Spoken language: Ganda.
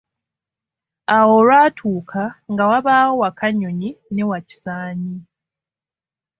Awo olwatuuka nga wabaawo Wakanyonyi ne Wakisaanyi.